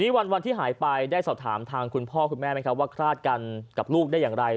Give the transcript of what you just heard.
วันนี้วันที่หายไปได้สอบถามทางคุณพ่อคุณแม่ไหมครับว่าคลาดกันกับลูกได้อย่างไร